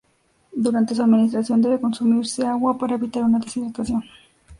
Durante su administración debe consumirse agua, para evitar una deshidratación.